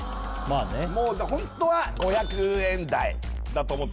もうホントは５００円台だと思ってるけど